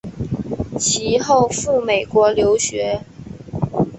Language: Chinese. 其后赴美国留学。